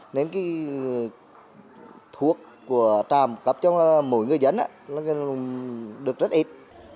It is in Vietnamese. nên cái thuốc của trạm cấp cho mỗi người dân được rất ít